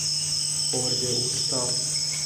خرده اوستا